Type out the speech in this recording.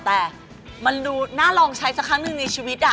แต่มันดูน่าลองใช้สักครั้งหนึ่งในชีวิต